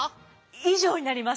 以上になります。